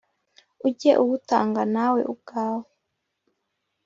ujye uwutanga nawe ubwawe